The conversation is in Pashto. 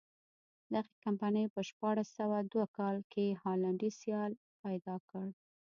دغې کمپنۍ په شپاړس سوه دوه کال کې هالنډی سیال پیدا کړ.